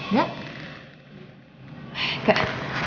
dari siapa lagi sih ini